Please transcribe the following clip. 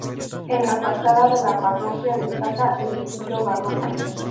En la fachada de la parroquia destaca el estilo barroco.